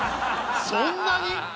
そんなに！？